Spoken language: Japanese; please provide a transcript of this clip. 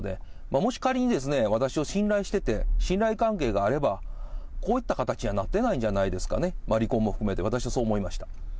もし仮に私を信頼してて、信頼関係があれば、こういった形にはなってないんじゃないですかね、離婚も含めて、私はそう思いました。